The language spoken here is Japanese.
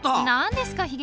何ですか？